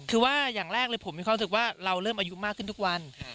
คือว่าอย่างแรกเลยผมมีความรู้สึกว่าเราเริ่มอายุมากขึ้นทุกวัน